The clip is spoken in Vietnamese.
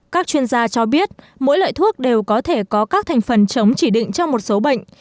các chuyên gia cho biết mỗi loại thuốc đều có thể có các thành phần chống chỉ định trong một số bệnh